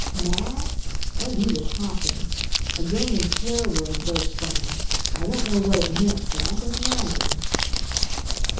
Mad? Oh, he was hopping! A German swear word burst from him. I don't know what it meant, but I can imagine.